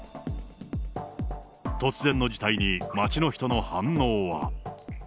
突然の事態に、町の人の反応は。